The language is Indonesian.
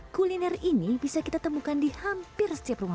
kuliner ini bisa kita temukan di hampir setiap rumah